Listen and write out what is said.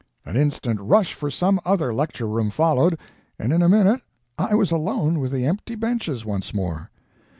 An instant rush for some other lecture room followed, and in a minute I was alone with the empty benches once more.